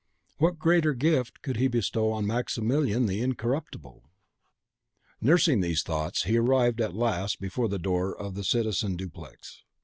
What greater gift could he bestow on Maximilien the Incorruptible? Nursing these thoughts, he arrived at last before the door of Citizen Dupleix.